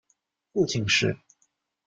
父亲是。